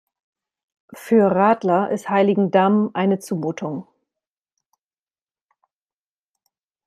Für Radler ist Heiligendamm eine Zumutung.